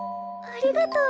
ありがとう。